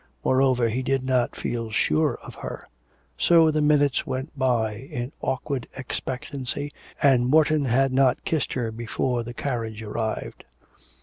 Moreover, he did not feel sure of her. So the minutes went by in awkward expectancy, and Morton had not kissed her before the carriage arrived.